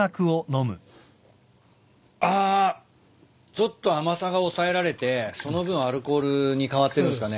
ちょっと甘さが抑えられてその分アルコールに変わってるんすかね。